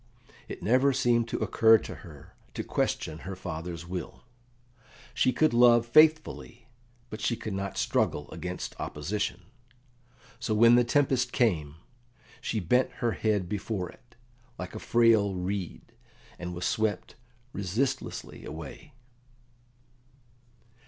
It never seemed to occur to her to question her father's will. She could love faithfully, but she could not struggle against opposition. So when the tempest came, she bent her head before it, like a frail reed, and was swept resistlessly away.